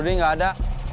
rudi gak ada